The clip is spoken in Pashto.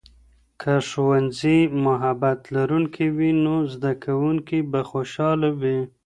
که ښوونځی محبت لرونکی وي، نو زده کوونکي به خوشاله وي.